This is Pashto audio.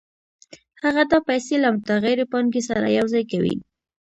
هغه دا پیسې له متغیرې پانګې سره یوځای کوي